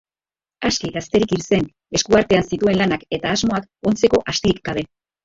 Aski gazterik hil zen, esku artean zituen lanak eta asmoak ontzeko astirik gabe.